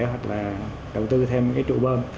hoặc là đầu tư thêm cái trụ bơm